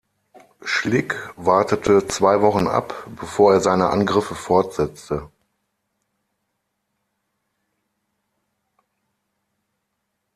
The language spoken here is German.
Schlik wartete zwei Wochen ab, bevor er seine Angriffe fortsetzte.